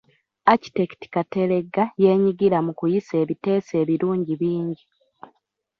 Architect Kateregga yeenyigira mu kuyisa ebiteeso ebirungi bingi.